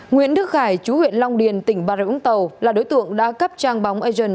nguyễn đức khải chú huyện long điền tỉnh bà rịa úng tàu là đối tượng đã cấp trang bóng agen